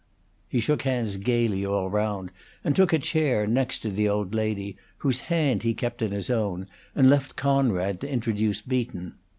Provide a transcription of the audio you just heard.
He shook hands gayly all round, and took a chair next the old lady, whose hand he kept in his own, and left Conrad to introduce Beaton.